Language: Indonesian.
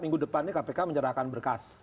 minggu depan ini kpk menyerahkan berkas